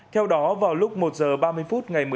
theo đó vào lúc một giờ ba mươi phút